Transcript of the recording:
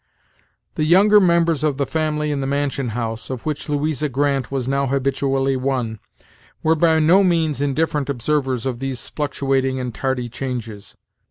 The younger members of the family in the mansion house, of which Louisa Grant was now habitually one, were by no means indifferent observers of these fluctuating and tardy changes.